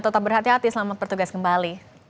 tetap berhati hati selamat bertugas kembali